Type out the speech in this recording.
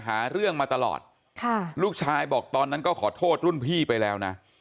หาเรื่องมาตลอดค่ะลูกชายบอกตอนนั้นก็ขอโทษรุ่นพี่ไปแล้วนะ